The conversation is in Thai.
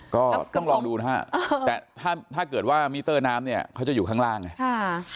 ก็ต้องลองดูนะฮะแต่ถ้าเกิดว่ามิเตอร์น้ำเนี่ยเขาจะอยู่ข้างล่างไง